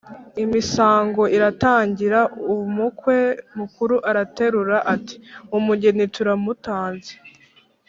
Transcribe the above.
imisango iratangira. Umukwe mukuru araterura ati: “umugeni turamutanze